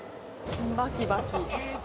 バキバキ。